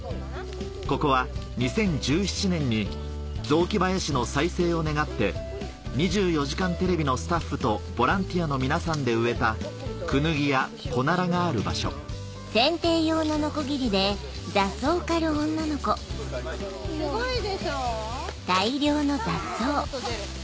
ここは２０１７年に雑木林の再生を願って『２４時間テレビ』のスタッフとボランティアの皆さんで植えたクヌギやコナラがある場所すごいでしょう多分もっともっと出る。